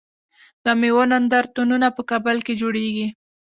د میوو نندارتونونه په کابل کې جوړیږي.